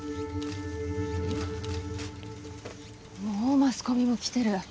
もうマスコミも来てる。